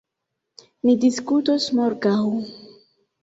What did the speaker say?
Ni diskutos morgaŭ.